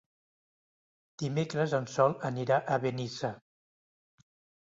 Dimecres en Sol anirà a Benissa.